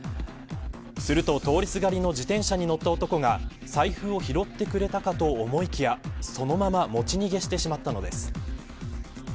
すると、通りすがりの自転車に乗った男が財布を拾ってくれたかと思いきやそのまま持ち逃げしてしまったのです。